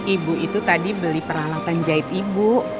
ibu itu tadi beli peralatan jahit ibu